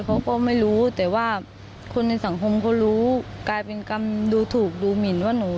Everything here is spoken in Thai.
เขาก็ไม่รู้แต่ว่าคนในสังคมเขารู้กลายเป็นกรรมดูถูกดูหมินว่าหนู